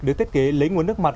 được thiết kế lấy nguồn nước mặt